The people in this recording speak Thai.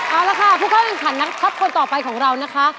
เอาละค่ะผู้ค่อยเป็นขันทับคนต่อไปของเรานะคะ